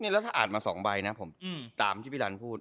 แล้วถ้าอ่านมา๒ใบนะผมตามที่พี่รันพูด